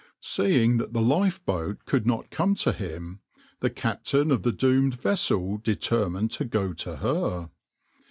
\par Seeing that the lifeboat could not come to him, the captain of the doomed vessel determined to go to her.